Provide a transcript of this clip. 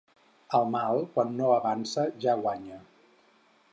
El mal, quan no avança, ja guanya.